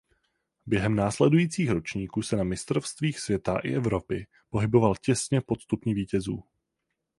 Během následujících ročníků se na mistrovstvích světa i Evropy pohyboval těsně pod stupni vítězů.